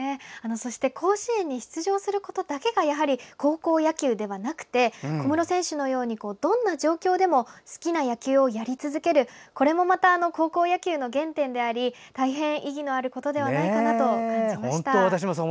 そして、甲子園に出場することだけが高校野球ではなくて小室選手のようにどんな状況でも好きな野球をやり続けるこれもまた高校野球の原点であり大変意義のあることではないかと感じました。